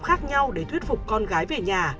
khác nhau để thuyết phục con gái về nhà